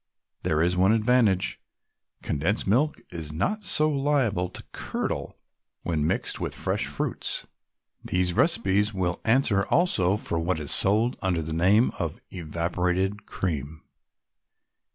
There is one advantage condensed milk is not so liable to curdle when mixed with fresh fruits. These recipes will answer also for what is sold under the name of "Evaporated Cream."